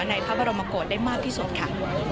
ในพระบรมโกศได้มากที่สุดค่ะ